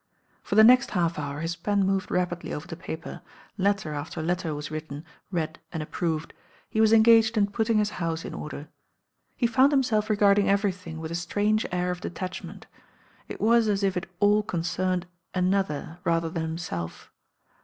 For the next half hour his pen moved rapidly over the paper. Letter after letter was written, read and approved. He was engaged in putting nis house m order. He found himself regarding everything with a strange air of detachment. It was as if it all con cerned another rather than himself.